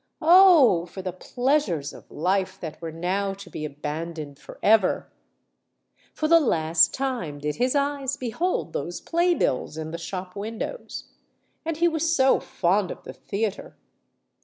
_ Oh! for the pleasures of life that were now to be abandoned for ever! For the last time did his eyes behold those play bills in the shop windows—and he was so fond of the theatre!